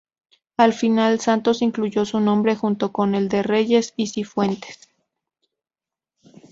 Al final, Santos incluyó su nombre junto con el de Reyes y Cifuentes.